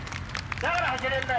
だから走れるんだよ。